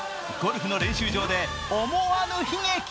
ゴルフの練習場で思わぬ悲劇。